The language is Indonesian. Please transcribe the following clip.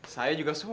saya juga suka